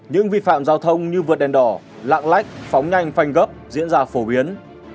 những vi phạm giao thông như vượt đèn đỏ lạng lách phóng nhanh phanh gấp diễn ra phổ biến